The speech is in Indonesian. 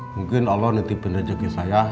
mungkin allah nanti penderjaki saya